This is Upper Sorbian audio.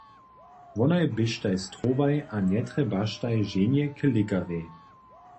Wonaj běštaj strowaj a njetrjebaštaj ženje k lěkarjej.